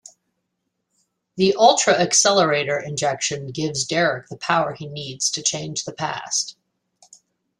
The "ultra accelerator" injection gives Derrick the power he needs to change the past.